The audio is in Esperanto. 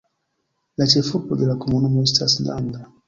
La ĉefurbo de la komunumo estas Landa.